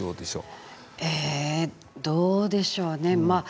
どうでしょうね